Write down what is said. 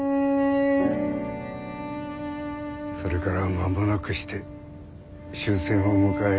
それから間もなくして終戦を迎え